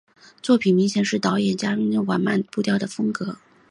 作品明显是导演押井守缓慢步调的风格。